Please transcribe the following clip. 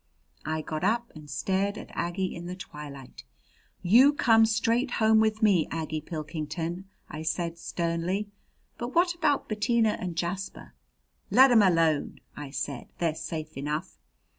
I got up and stared at Aggie in the twilight. "You come straight home with me, Aggie Pilkington," I said sternly. "But what about Bettina and Jasper?" "Let 'em alone," I said; "they're safe enough.